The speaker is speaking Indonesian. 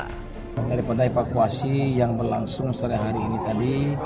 kepada evakuasi yang berlangsung setelah hari ini tadi